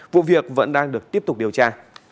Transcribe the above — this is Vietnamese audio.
vụ việc vẫn đang được tiếp tục điều tra